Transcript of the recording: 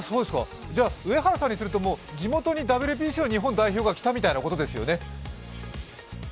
上原さんにすると地元にＷＢＣの日本代表が来たみたいな感じですよね。